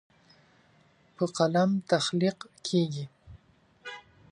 په قلم تخلیق کیږي.